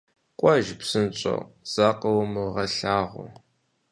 - КӀуэж, псынщӀэу, закъыумыгъэлъагъу!